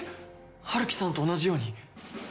ハルキさんと同じように。